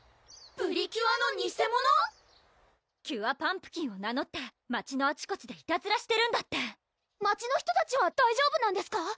プリキュアの偽者⁉キュアパンプキンを名乗って街のあちこちでいたずらしてるんだって街の人たちは大丈夫なんですか？